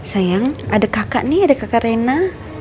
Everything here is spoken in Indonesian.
sayang ada kakak nih ada kakak rena